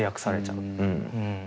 うん。